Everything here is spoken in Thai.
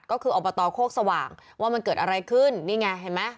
ก็คืออบตโคกสว่างว่ามันเกิดอะไรขึ้นนี่ไงเห็นไหม